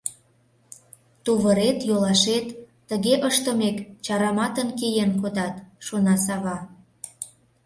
Тувырет-йолашет, тыге ыштымек, чараматын киен кодат...» — шона Сава.